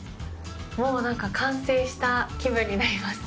もう完成した気分になります。